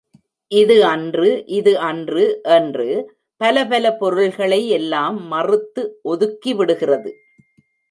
இது அன்று, இது அன்று என்று பலபல பொருள்களை எல்லாம் மறுத்து ஒதுக்கிவிடுகிறது.